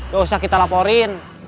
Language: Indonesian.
gak usah kita laporin